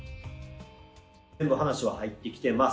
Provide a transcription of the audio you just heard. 全部話は入ってきてます。